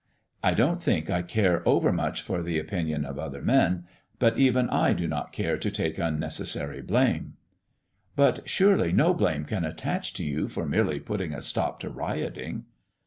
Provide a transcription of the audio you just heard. I don't think I care over much for the opinion of other men, but even I do not care to take unnecessary blame." "But surely no blame can attach to you for merely putting a stop to rioting."